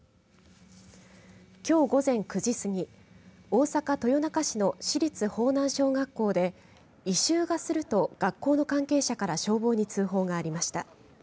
きょう午前９時過ぎ大阪、豊中市の市立豊南小学校で異臭がすると学校の関係者から消防に通報がありました。